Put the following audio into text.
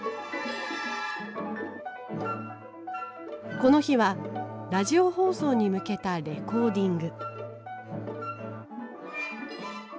この日はラジオ放送に向けたレコーディング。